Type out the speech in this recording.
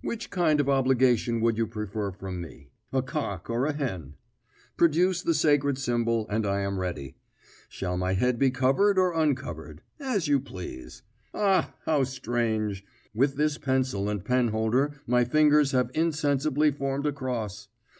Which kind of obligation would you prefer from me? A cock or a hen? Produce the sacred symbol, and I am ready. Shall my head be covered or uncovered? As you please. Ah, how strange! With this pencil and penholder my fingers have insensibly formed a cross.